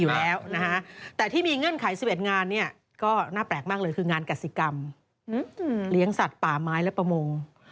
เลี้ยงสัตว์ป่าไม้และประมง